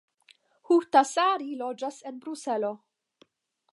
Huhtasaari loĝas en Bruselo.